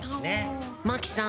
真木さん